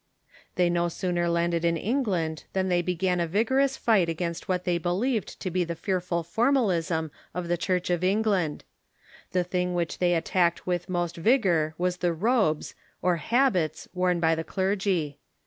They no sooner landed in England than they began a vigorous fight against what they believed to be the fearful formalism of the Church of England. Tlie thing Avhich they attacked with most vigor was the robes, or habits, worn by the clergy.